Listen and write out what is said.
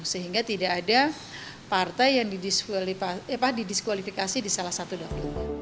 sehingga tidak ada partai yang didiskualifikasi di salah satu dokumen